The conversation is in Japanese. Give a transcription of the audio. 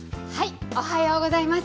おはようございます。